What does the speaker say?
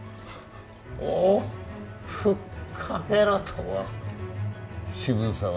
おおふっかけるとは。